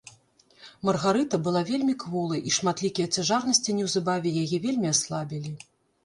Маргарыта была вельмі кволай і шматлікія цяжарнасці неўзабаве яе вельмі аслабілі.